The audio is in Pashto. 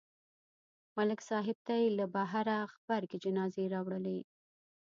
ملک صاحب ته یې له بهره غبرګې جنازې راوړلې